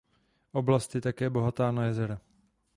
Oblast je také bohatá na jezera.